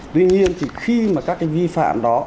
tuy nhiên thì khi mà các cái vi phạm đó